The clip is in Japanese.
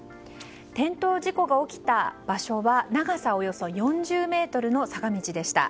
転倒事故が起きた場所は長さおよそ４０ｍの坂道でした。